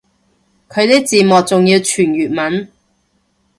佢啲字幕仲要全粵文